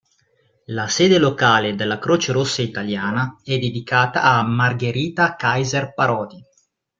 La sede locale della Croce Rossa Italiana è dedicata a Margherita Kaiser Parodi.